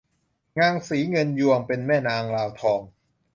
นางศรีเงินยวงเป็นแม่นางลาวทอง